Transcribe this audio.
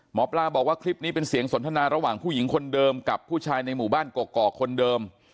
หมอปลาบอกว่าคลิปนี้เป็นเสียงสนทนาระหว่างผู้หญิงคนเดิมกับผู้ชายในหมู่บ้านกกอกคนเดิม